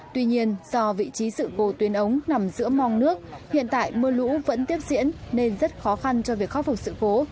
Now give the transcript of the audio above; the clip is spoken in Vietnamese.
tuy nhiên do vị trí sự cố tuyến ống nằm giữa mong nước hiện tại mưa lũ vẫn tiếp diễn nên rất khó khăn cho việc khắc phục sự cố